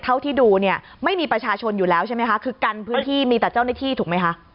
เท่าที่ดูเนี่ยไม่มีประชาชนอยู่แล้วใช่ไหมคะคือกันพื้นที่มีแต่เจ้าหน้าที่ถูกไหมคะ